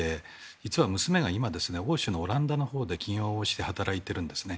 実は娘が今オランダのほうで起業して働いているんですね。